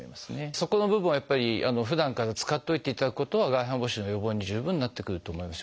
そこの部分をやっぱりふだんから使っといていただくことは外反母趾の予防に十分なってくると思います。